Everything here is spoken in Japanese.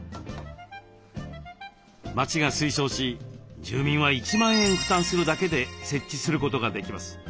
町が推奨し住民は１万円負担するだけで設置することができます。